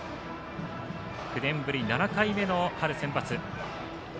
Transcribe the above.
９年ぶり７回目の春センバツ。